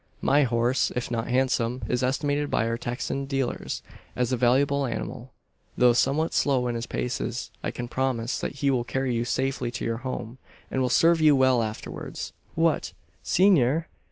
My horse, if not handsome, is estimated by our Texan dealers as a valuable animal. Though somewhat slow in his paces, I can promise that he will carry you safely to your home, and will serve you well afterwards." "What, senor!"